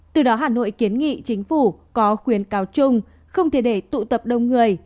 từ đó hà nội kiến nghị chính phủ có khuyến cáo chung không thể để tụ tập đông người